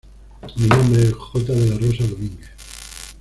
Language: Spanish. Mi nombre es J. de la Rosa Domínguez.